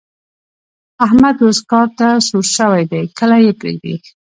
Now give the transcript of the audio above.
احمد اوس کار ته سور شوی دی؛ کله يې پرېږدي.